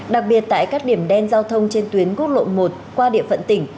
đặc biệt tại các điểm đen giao thông trên tuyến quốc lộ một qua địa phận tỉnh